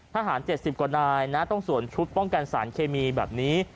๗๐กว่านายนะต้องสวมชุดป้องกันสารเคมีแบบนี้